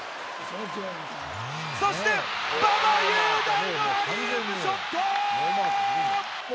そして馬場雄大のアリウープショット。